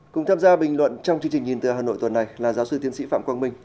cùng tham gia bình luận trong chương trình nhìn từ hà nội tuần này là giáo sư tiến sĩ phạm quang minh